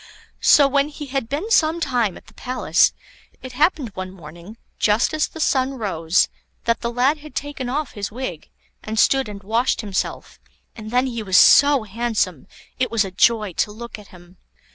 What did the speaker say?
So, when he had been some time at the palace, it happened one morning, just as the sun rose, that the lad had taken off his wig, and stood and washed himself, and then he was so handsome, it was a joy to look at him.